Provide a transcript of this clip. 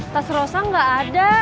tas rosa gak ada